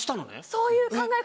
そういう考え方で。